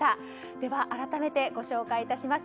では、改めてご紹介いたします。